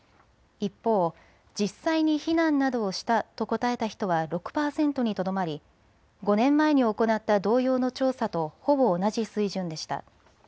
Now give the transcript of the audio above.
一方、実際に避難などをしたと答えた人は６％にとどまり５年前に行った同様の調査とほぼ同じ水準でした。